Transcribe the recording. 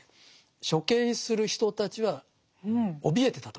処刑する人たちはおびえてたと思いますね。